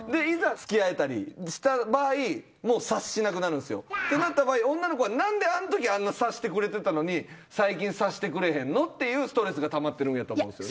付き合えたりした場合もう察しなくなるんですよ。となった場合女の子は「何であの時あんなに察してくれてたのに最近察してくれへんの？」っていうストレスがたまってるんやと思うんですよ。